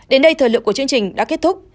đến đây thời lượng của chương trình đã kết thúc